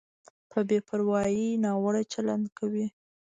په بې پروایۍ ناوړه چلند کوي.